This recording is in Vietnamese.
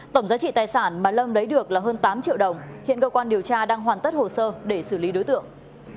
tổng giá trị tài sản mà lâm lấy được là hơn tám triệu đồng hiện cơ quan điều tra đang hoàn tất hồ sơ để xử lý đối tượng